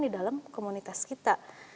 di dalam komunitas kita